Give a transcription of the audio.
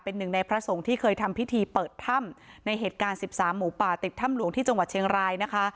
เป็นหนึ่งในพระสงฆ์ที่เคยทำพิธีเปิดถ้ำในเหตุการณ์๑๓หมูป่าติดถ้ำหลวงที่จังหวัดเชียงรายนะคะ